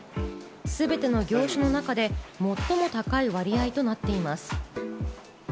すべての業種の中で最も高い割合となっています。